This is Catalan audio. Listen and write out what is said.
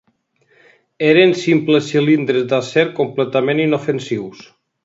Eren simples cilindres d'acer completament inofensius